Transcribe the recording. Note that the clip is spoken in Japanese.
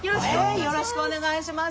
よろしくお願いします。